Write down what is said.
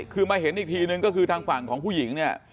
คือมาเห็นอีกทีนึงก็คือทางฝั่งของผู้หญิงเนี่ย